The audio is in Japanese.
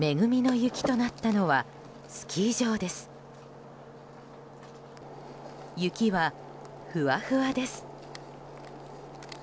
雪は、ふわふわです。